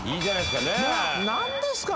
何ですか⁉